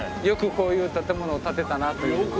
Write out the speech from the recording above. よくこういう建物を建てたなという。